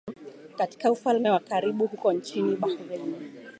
katika ufalme wa karibu huko nchini Bahrain